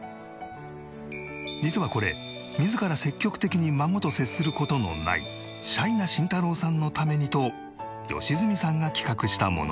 実はこれ自ら積極的に孫と接する事のないシャイな慎太郎さんのためにと良純さんが企画したもの。